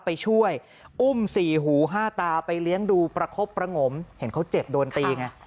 ไปช่วยอุ้มสี่หูห้าตาไปเลี้ยงดูประคบประงมเห็นเขาเจ็บโดนตีไง